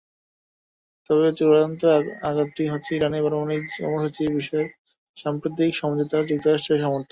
তবে চূড়ান্ত আঘাতটি হচ্ছে ইরানের পারমাণবিক কর্মসূচির বিষয়ে সাম্প্রতিক সমঝোতায় যুক্তরাষ্ট্রের সমর্থন।